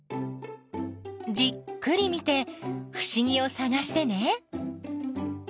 じっくり見てふしぎをさがしてね。